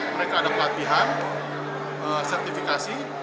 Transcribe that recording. mereka ada pelatihan sertifikasi